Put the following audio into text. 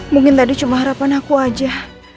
mungkin tadi cuma harapan aku aja